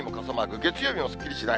月曜日もすっきりしない。